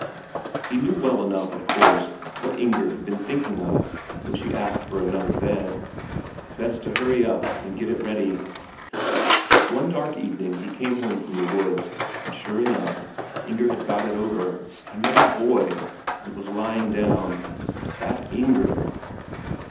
He knew well enough, of course, what Inger had been thinking of when she asked for another bed; best to hurry up and get it ready. One dark evening he came home from the woods, and sure enough, Inger had got it over another boy and was lying down. That Inger!